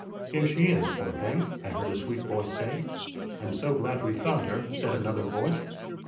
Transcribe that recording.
"'Here she is, poor thing!' I heard a sweet voice say. "'I'm so glad we've found her,' said another voice.